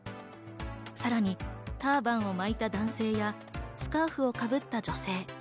さらにターバンを巻いた男性やスカーフをかぶった女性。